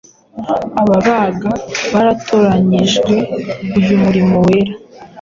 Ababaga baratoranyirijwe uyu murimo wera,